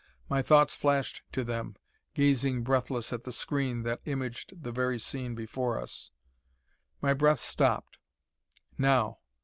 My thoughts flashed to them, gazing breathless at the screen that imaged the very scene before us. My breath stopped. Now!